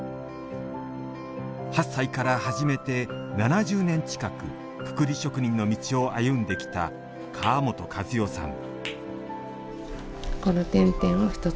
８歳から始めて７０年近く、くくり職人の道を歩んできた川本和代さん。